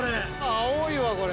青いわこれ。